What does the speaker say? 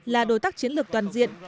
là đối tác chiến lược toàn diện